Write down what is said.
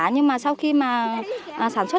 nhưng mà sau khi mà sản xuất